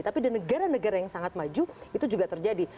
tapi di negara negara yang sangat maju itu juga terjadi